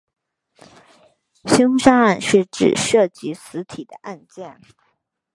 凶杀案是指涉及死体的案件。